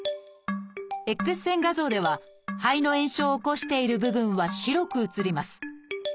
Ｘ線画像では肺の炎症を起こしている部分は白く映ります。